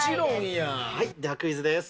ではクイズです。